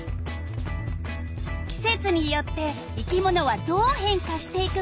季節によって生き物はどう変化していくか。